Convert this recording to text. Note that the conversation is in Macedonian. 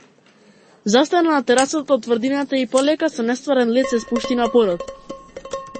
Застана на терасата од тврдината и полека, со нестварен лет се спушти на подот.